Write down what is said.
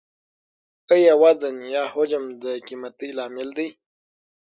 آیا وزن یا حجم د قیمتۍ لامل دی؟